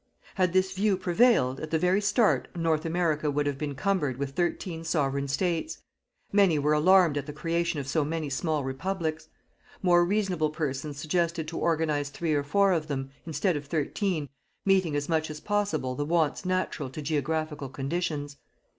Had this view prevailed, at the very start North America would have been cumbered with thirteen Sovereign States. Many were alarmed at the creation of so many small Republics. More reasonable persons suggested to organize three or four of them, instead of thirteen, meeting as much as possible the wants natural to geographical conditions.